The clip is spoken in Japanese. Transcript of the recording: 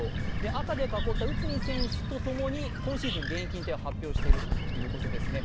赤で囲った内海選手とともに今シーズン現役引退を発表しているということですね。